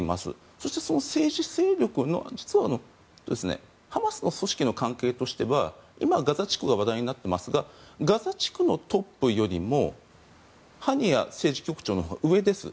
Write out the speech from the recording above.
そしてその政治勢力のハマスの組織の関係としては今はガザ地区が話題になっていますがガザ地区のトップよりもハニヤ政治局長のほうが上です。